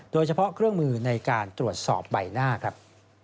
โดยเฉพาะเครื่องมือในการตรวจสอบใบหน้าครับ